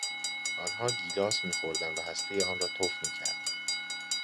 آنها گیلاس میخوردند و هستهی آن را تف میکردند.